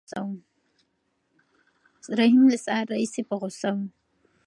رحیم له سهار راهیسې په غوسه و.